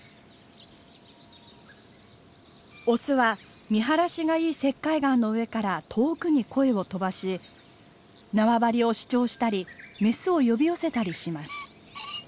オスは見晴らしがいい石灰岩の上から遠くに声を飛ばし縄張りを主張したりメスを呼び寄せたりします。